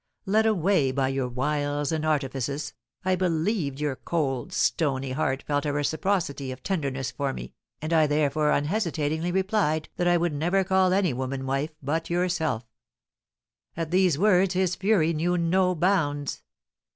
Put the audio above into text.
Led away by your wiles and artifices, I believed your cold, stony heart felt a reciprocity of tenderness for me, and I therefore unhesitatingly replied that I never would call any woman wife but yourself. At these words his fury knew no bounds.